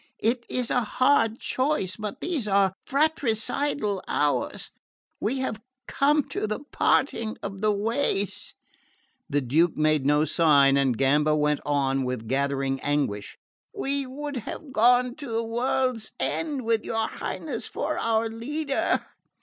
It is a hard choice, but these are fratricidal hours. We have come to the parting of the ways." The Duke made no sign, and Gamba went on with gathering anguish: "We would have gone to the world's end with your Highness for our leader!"